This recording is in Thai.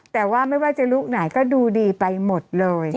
แต่ว่าไม่ว่าจะลุคไหนก็ดูดีไปหมดเลย